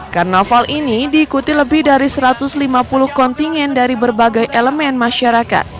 karnaval ini diikuti lebih dari satu ratus lima puluh kontingen dari berbagai elemen masyarakat